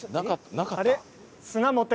なかった？